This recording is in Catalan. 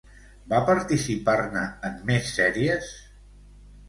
Va participar-ne en més sèries?